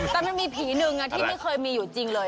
แต่มันมีผีหนึ่งที่ไม่เคยมีอยู่จริงเลย